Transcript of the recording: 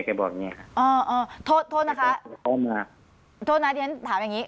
แกบอกเนี้ยฮะอ๋ออ๋อโทษโทษนะคะโทษมากโทษที่ฉันถามอย่างงี้